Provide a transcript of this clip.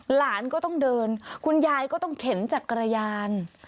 หลานก็ต้องเดินคุณยายก็ต้องเข็นจักรยาน